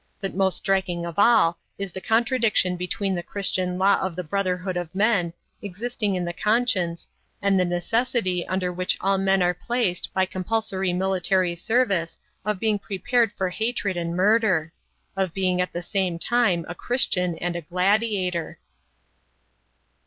But most striking of all is the contradiction between the Christian law of the brotherhood of men existing in the conscience and the necessity under which all men are placed by compulsory military service of being prepared for hatred and murder of being at the same time a Christian and a gladiator.